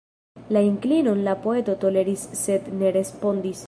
La inklinon la poeto toleris sed ne respondis.